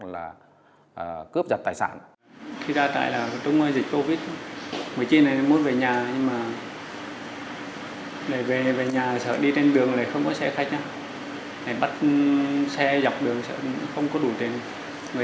lúc ấy là tôi chưa phát hiện ra